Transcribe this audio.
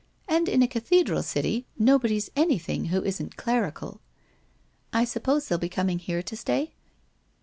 And in a cathedral city nobody's anything who isn't clerical.' 'I suppose they'll be coming here to stay?'